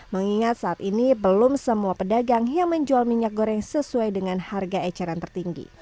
mengingat saat ini belum semua pedagang yang menjual minyak goreng sesuai dengan harga eceran tertinggi